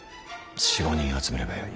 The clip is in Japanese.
４５人集めればよい。